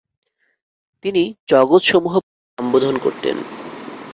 তিনি "জগতসমূহ" বলে সম্বোধন করতেন।